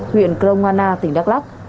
huyện crongana tỉnh đắk lắc